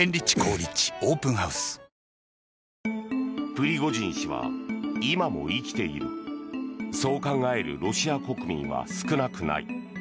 プリゴジン氏は今も生きているそう考えるロシア国民は少なくない。